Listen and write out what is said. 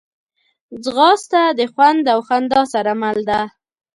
ځغاسته د خوند او خندا سره مل ده